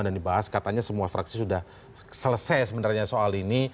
dan dibahas katanya semua fraksi sudah selesai sebenarnya soal ini